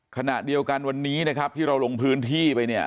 ขณะเดียวกันวันนี้นะครับที่เราลงพื้นที่ไปเนี่ย